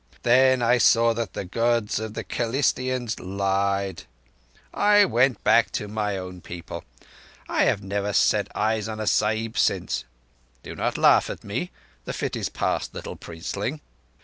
Then I saw that the Gods of the Kerlistians lied, and I went back to my own people ... I have never set eyes on a Sahib since. (Do not laugh at me. The fit is past, little priestling.)